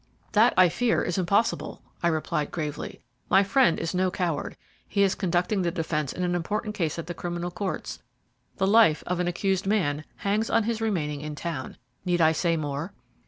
"That, I fear, is impossible," I replied gravely; "my friend is no coward. He is conducting the defence in an important case at the criminal courts. The life of an accused man hangs on his remaining in town need I say more?"